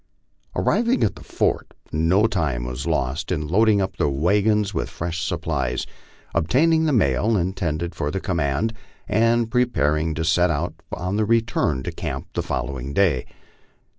Arriving at the fort, no time was lost in loading up the wagons with fresh supplies, obtaining the mail intended for the command, and preparing to set out on the return to camp the following day.